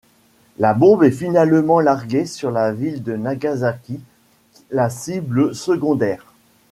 La bombe est finalement larguée sur la ville de Nagasaki, la cible secondaire.